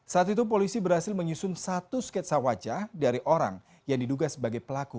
saat itu polisi berhasil menyusun satu sketsa wajah dari orang yang diduga sebagai pelaku